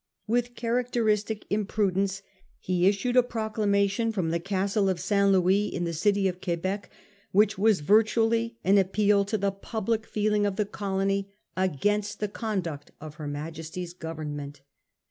With characteristic imprudence he issued a proclamation from the Castle of St. Lewis, in the city of Quebec, which was virtually an appeal to the public feeling of the colony against the conduct of her Majesty's Government.